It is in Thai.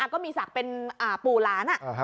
ก็มีศักดิ์เป็นปู่หลาน